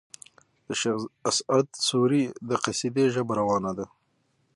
د شېخ اسعد سوري د قصيدې ژبه روانه ده.